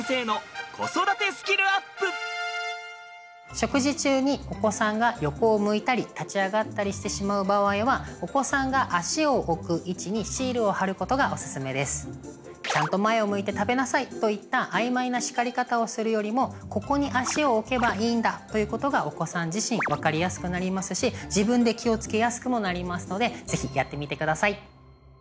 食事中にお子さんが横を向いたり立ち上がったりしてしまう場合はお子さんがちゃんと前を向いて食べなさいといったあいまいな叱り方をするよりもここに足を置けばいいんだということがお子さん自身分かりやすくなりますし自分で気を付けやすくもなりますので是非やってみてください。